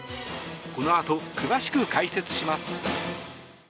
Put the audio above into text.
このあと詳しく解説します。